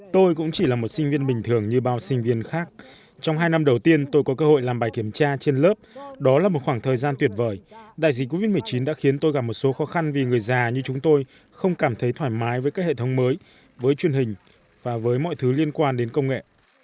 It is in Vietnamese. tôi cũng chỉ là một sinh viên bình thường như bao sinh viên khác trong hai năm đầu tiên tôi có cơ hội làm bài kiểm tra trên lớp đó là một khoảng thời gian tuyệt vời đại dịch covid một mươi chín đã khiến tôi gặp một số khó khăn vì người già như chúng tôi không cảm thấy thoải mái với các hệ thống mới với truyền hình và với mọi thứ liên quan đến công nghệ